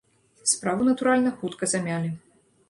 Справу, натуральна, хутка замялі.